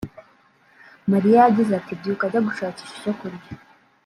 Mariya yagize ati “Byuka njya gushakisha icyo kurya